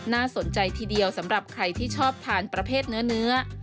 น่าสนใจทีเดียวสำหรับใครที่ชอบทานประเภทเนื้อ